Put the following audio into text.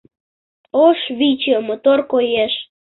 Ош Виче мотор коеш.